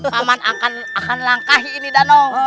pak man akan langkah ini danau